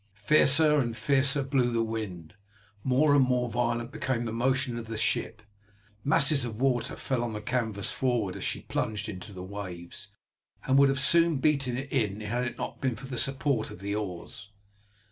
Fiercer and fiercer blew the wind, more and more violent became the motion of the ship; masses of water fell on the canvas forward, as she plunged into the waves, and would have soon beaten it in had it not been for the support of the oars.